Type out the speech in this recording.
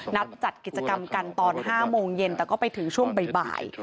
จัดกิจกรรมกันตอน๕โมงเย็นแต่ก็ไปถึงช่วงบ่าย